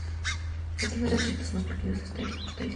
Se trata de uno de los distritos más pequeños de esta isla.